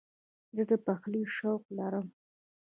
زه د پخلي شوق لرم.